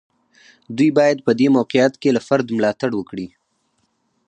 دوی باید په دې موقعیت کې له فرد ملاتړ وکړي.